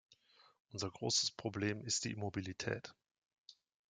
Unser großes Problem ist die Immobilität.